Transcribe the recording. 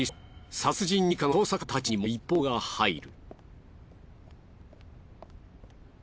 殺人二課の捜査官たちにも一報が入る。